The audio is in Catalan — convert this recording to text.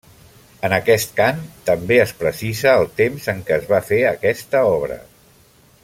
En aquest cant, també es precisa el temps en què es va fer aquesta obra.